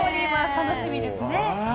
楽しみですね。